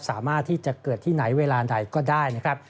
สามารถที่จะเกิดที่ไหนเวลาใดก็ได้นะครับ